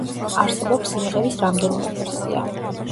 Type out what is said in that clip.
არსებობს სიმღერის რამდენიმე ვერსია.